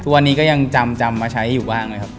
ตัวนี้ก็ยังจำมาใช้อยู่บ้างเลยครับ